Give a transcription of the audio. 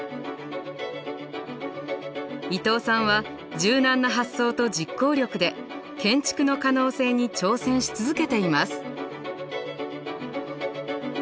伊東さんは柔軟な発想と実行力で建築の可能性に挑戦し続けています。